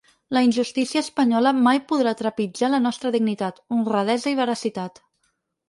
La injustícia espanyola mai podrà trepitjar la nostra dignitat, honradesa i veracitat.